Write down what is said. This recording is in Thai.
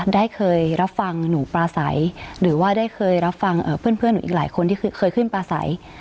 ได้เคยรับฟังหนูปลาใสหรือว่าได้เคยรับฟังเพื่อนหนูอีกหลายคนที่เคยขึ้นปลาใส